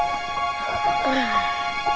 ustaz lu sana bencana